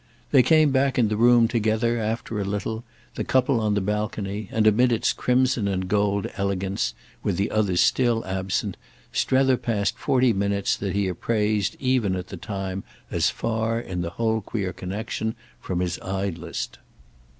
They came back into the room together after a little, the couple on the balcony, and amid its crimson and gold elegance, with the others still absent, Strether passed forty minutes that he appraised even at the time as far, in the whole queer connexion, from his idlest.